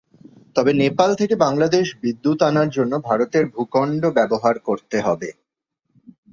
তবে নেপাল থেকে বাংলাদেশে বিদ্যুৎ আনার জন্য ভারতের ভূখণ্ড ব্যবহার করতে হবে।